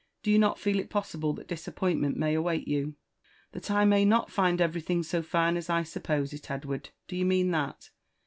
— do you not feel it possible that disappointment may await you ?"That I may not find everything so fine as I suppose it, Edward ?» do you mean Ihat?